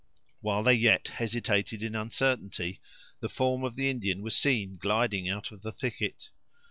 While they yet hesitated in uncertainty, the form of the Indian was seen gliding out of the thicket.